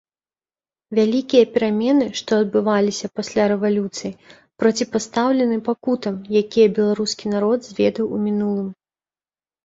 Вялікія перамены, што адбываліся пасля рэвалюцыі, проціпастаўлены пакутам, якія беларускі народ зведаў у мінулым.